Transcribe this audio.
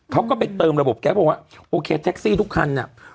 เขาก็ไปเติมระบบแก๊สบอกว่าโอเคแท็กซี่ทุกคันเนี่ย